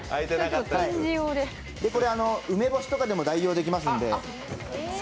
これ梅干しとかでも代用できますんで。